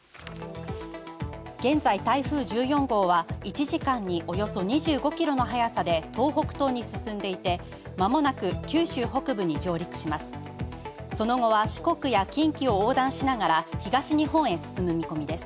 現在台風１４号は１時間におよそ２５キロの速さで東北東に進んでいて間もなく九州北部に上陸します。